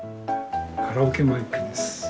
カラオケマイクです。